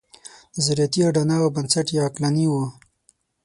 نظریاتي اډانه او بنسټ یې عقلاني وي.